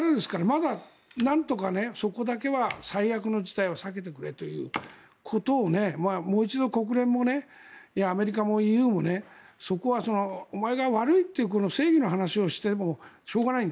まだ、なんとかそこだけは最悪の事態を避けてくれということをもう一度国連もアメリカもＥＵもそこは、お前が悪いという正義の話をしてもしょうがない。